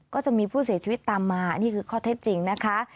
ก็จะมีผู้เสียชีวิตตามมานี่คือข้อเท็จจริงนะคะ